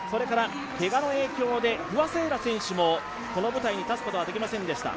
けがの影響で、不破聖衣来選手もこの舞台に立つことができませんでした。